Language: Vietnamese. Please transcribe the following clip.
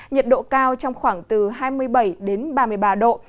nhiệt độ cao trong khoảng từ hai mươi bảy đến ba mươi ba độ